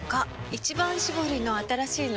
「一番搾り」の新しいの？